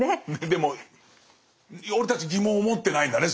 でも俺たち疑問を持ってないんだね